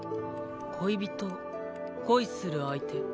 恋人恋する相手。